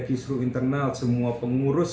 kisru internal semua pengurus